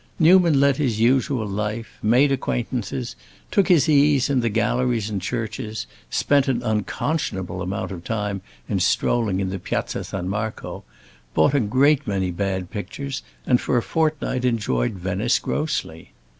Newman led his usual life, made acquaintances, took his ease in the galleries and churches, spent an unconscionable amount of time in strolling in the Piazza San Marco, bought a great many bad pictures, and for a fortnight enjoyed Venice grossly.